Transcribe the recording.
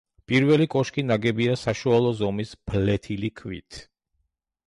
პირველი კოშკი ნაგებია საშუალო ზომის ფლეთილი ქვით.